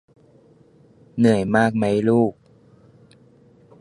เหนื่อยมากไหมลูก